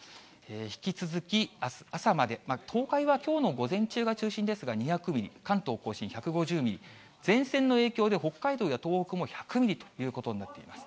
引き続き朝まで、東海はきょうの午前中が中心ですが２００ミリ、関東甲信１５０ミリ、前線の影響で、北海道や東北も１００ミリということになっています。